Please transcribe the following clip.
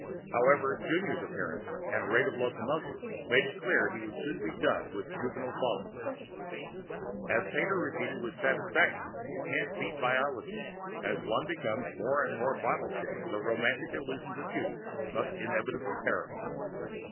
However, Junior's appearance and rate of locomotion made it clear he would soon be done with juvenile follies. As Pater repeated with satisfaction you can't beat Biology; as one becomes more and more bottle shaped, the romantic illusions of youth must inevitably perish.